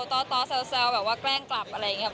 ต้อเซลล์แกล้งกลับอะไรอย่างนี้